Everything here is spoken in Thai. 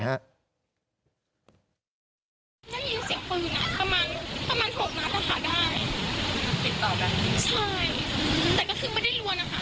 ได้ยินเสียงปืนประมาณ๖นัทได้